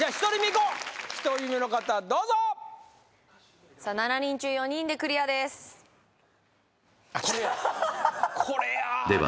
こう１人目の方どうぞさあ７人中４人でクリアですははは